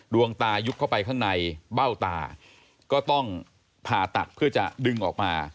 ดวงตายุบเข้าไปข้างในเบ้าตาก็ต้องผ่าตัดเพื่อจะดึงออกมา